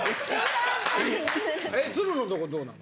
つるののとこどうなの？